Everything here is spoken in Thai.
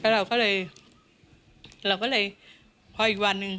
แล้วเราก็เลยพออีกวันหนึ่ง